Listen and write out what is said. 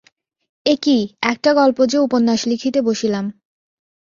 এ কি একটা গল্প যে উপন্যাস লিখিতে বসিলাম।